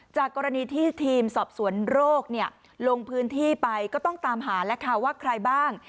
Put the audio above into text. จากกรณีที่ทีมสอบสวนโรคลงพื้นที่ไปก็ต้องตามหาแล้วค่ะว่าใครบ้าง